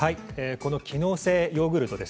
機能性ヨーグルト